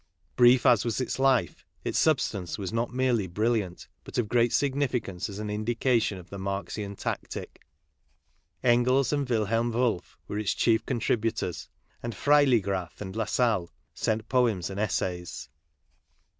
Brief as was its life, its substance was not merely brilliant but of great significance as an indication of the Marxian tactic. Engels and Wilhelm Wolff were its chief contributors, and Freiligrath and Lassalle sent poems and essays.